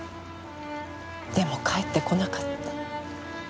でも帰って来なかった。